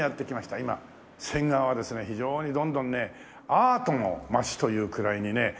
今仙川は非常にどんどんねアートの街というくらいにね。